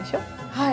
はい。